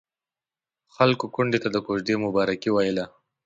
خلکو کونډې ته د کوژدې مبارکي ويله.